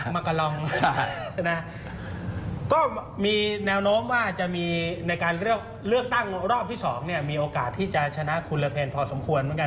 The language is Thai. มากะลองก็มีแนวโน้มว่าจะมีในการเลือกตั้งรอบที่๒เนี่ยมีโอกาสที่จะชนะคุณละเพลงพอสมควรเหมือนกัน